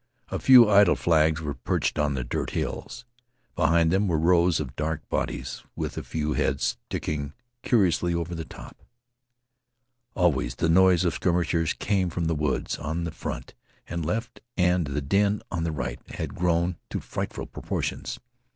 A few idle flags were perched on the dirt hills. Behind them were rows of dark bodies with a few heads sticking curiously over the top. Always the noise of skirmishers came from the woods on the front and left, and the din on the right had grown to frightful proportions.